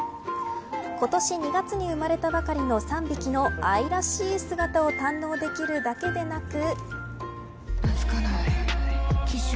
今年２月に生まれたばかりの３匹の愛らしい姿を堪能できるだけでなく。